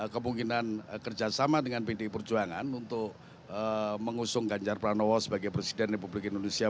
kemungkinan kerjasama dengan pdi perjuangan untuk mengusung ganjar pranowo sebagai presiden republik indonesia